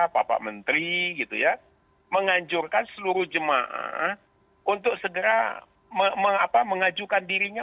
bapak menteri mengajurkan seluruh jemaah untuk segera mengajukan dirinya